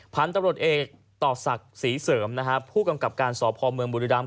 พันธุ์ตำรวจเอกต่อศักดิ์ศรีเสริมนะฮะผู้กำกับการสพเมืองบุรีรำ